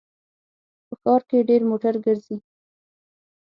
په ښار کې ډېر موټر ګرځي